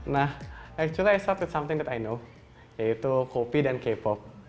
nah sebenarnya saya mulai dengan sesuatu yang saya tahu yaitu kopi dan k pop